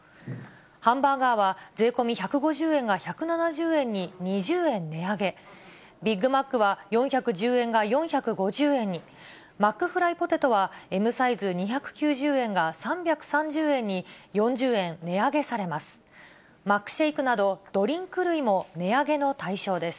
ハンバーガーは税込み１５０円が１７０円に２０円値上げ、ビッグマックは４１０円が４５０円に、マックフライポテトはＭサイズ２９０円が３３０円に４０円値上げされます。